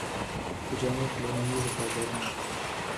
د جامو پلورنځي په بازارونو کې دي